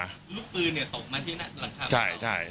ลูกปืนตกมาที่หลังคาบ้าง